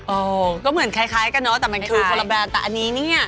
เออก็เหมือนคล้ายกันเนอะแต่มันคือคนละแบบแต่อันนี้เนี่ย